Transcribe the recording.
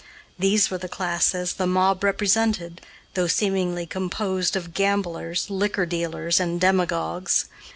These were the classes the mob represented, though seemingly composed of gamblers, liquor dealers, and demagogues.